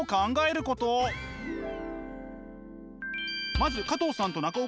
まず加藤さんと中岡さん